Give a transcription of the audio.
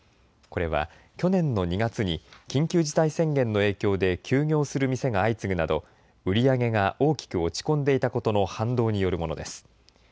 これは去年の２月に緊急事態宣言の影響で休業する店が相次ぐなど、売り上げが大きく落ち込んでいたことの反動によるものです。